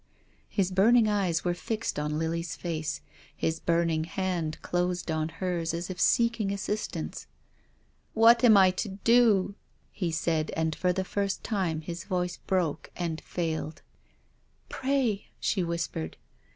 His burning eyes were fixed on Lily's face. His burning hand closed on hers as if seeking as sistance. " What am I to do ?" he said, and for the first time his voice broke and failed. " Pray !" she whispered.